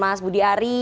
mas budi ari